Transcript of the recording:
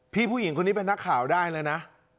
ผู้หญิงคนนี้เป็นนักข่าวได้เลยนะ